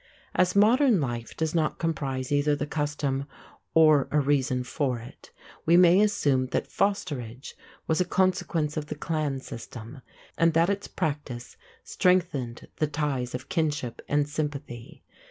As modern life does not comprise either the custom or a reason for it, we may assume that fosterage was a consequence of the clan system, and that its practice strengthened the ties of kinship and sympathy.